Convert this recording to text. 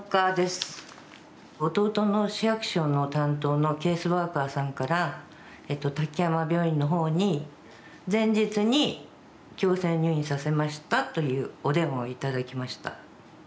弟の市役所の担当のケースワーカーさんから「滝山病院の方に前日に強制入院させました」というお電話を頂きました。